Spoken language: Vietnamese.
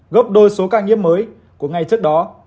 góp đôi số ca nhiễm mới của ngày trước đó